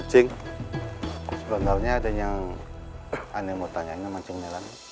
cing sebelumnya ada yang aneh mau tanya nama cing nelang